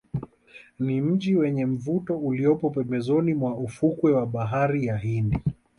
Ni mji wenye mvuto uliopo pembezoni mwa ufukwe wa bahari ya Hindi